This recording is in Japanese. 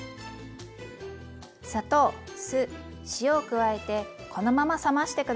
砂糖酢塩を加えてこのまま冷まして下さい。